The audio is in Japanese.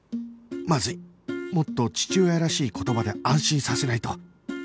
まずいもっと父親らしい言葉で安心させないと